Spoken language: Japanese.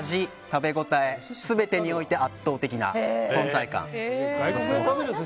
食べ応え全てにおいて圧倒的な存在感。